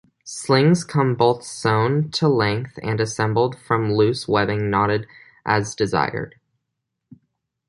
Slings come both sewn to length and assembled from loose webbing knotted as desired.